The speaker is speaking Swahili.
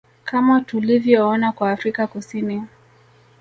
Kama tulivyoona kwa Afrika Kusini